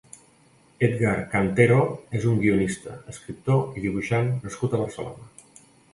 Edgar Cantero és un guionista, escriptor i dibuixant nascut a Barcelona.